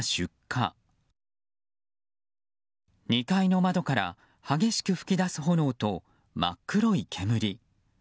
２階の窓から激しく噴き出す炎と真っ黒い煙。